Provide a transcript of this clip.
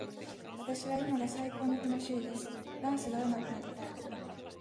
私は今が最高に楽しいです。ダンスがうまくなりたい。